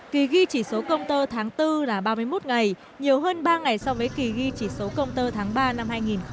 kỳ ghi chỉ số công tơ tháng bốn là ba mươi một ngày nhiều hơn ba ngày so với kỳ ghi chỉ số công tơ tháng ba năm hai nghìn hai mươi